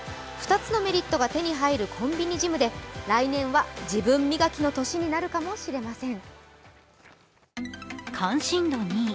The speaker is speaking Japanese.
２つのメリットが手に入るコンビニジムで来年は自分磨きの年になるかもしれません。